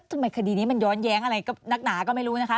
ทำไมคดีนี้มันย้อนแย้งอะไรก็นักหนาก็ไม่รู้นะคะ